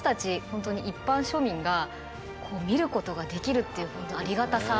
本当に一般庶民が見ることができるっていうほんとありがたさ。